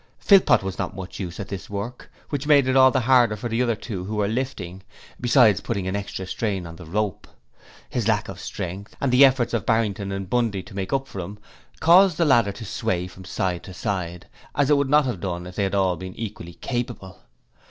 Philpot was not of much use at this work, which made it all the harder for the other two who were lifting, besides putting an extra strain on the rope. His lack of strength, and the efforts of Barrington and Bundy to make up for him caused the ladder to sway from side to side, as it would not have done if they had all been equally capable.